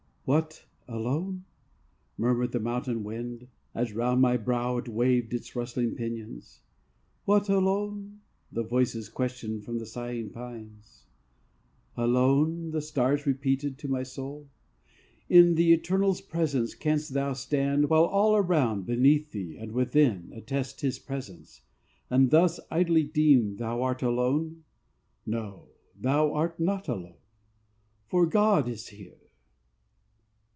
"What, alone?" Murmured the mountain wind, as round my brow It waved its rustling pinions. "What, alone?" Low voices questioned from the sighing pines, "Alone?" the stars repeated to my soul "In the Eternal's presence, canst thou stand, While, from above, His awful glories look, While all, around, beneath thee, and within, Attest His presence, and thus idly deem Thou art alone? No; thou art not alone, _For God is here!